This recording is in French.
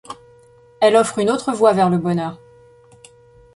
Elle offre une autre voie vers le bonheur.